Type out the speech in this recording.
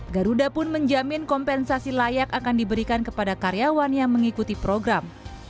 garuda pun menjamin kompensasi layak akan diberikan kepada karyawan yang mengikuti program